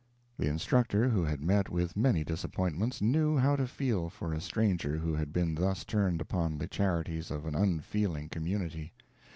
The instructor, who had met with many disappointments, knew how to feel for a stranger who had been thus turned upon the charities of an unfeeling community.